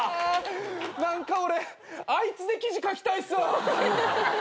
何か俺あいつで記事書きたいっすわ。